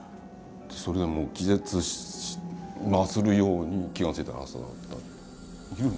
それでもう気絶するように気が付いたら朝だった。